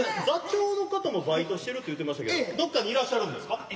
座長の方もバイトしてるって言うてましたけどどっかにいらっしゃるんですか？